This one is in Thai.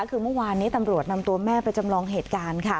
คือเมื่อวานนี้ตำรวจนำตัวแม่ไปจำลองเหตุการณ์ค่ะ